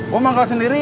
gua manggal sendirian